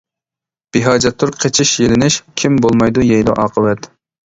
بىھاجەتتۇر قېچىش يېلىنىش، كىم بولمايدۇ يەيدۇ ئاقىۋەت.